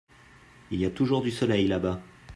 Il y a toujours du soleil là-bas.